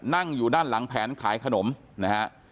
นั่งอยู่ด้านหลังแผงขายขนมนะฮะ